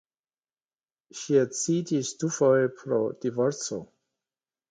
Ŝi edziĝis dufoje pro divorco.